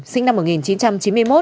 sinh năm một nghìn chín trăm chín mươi một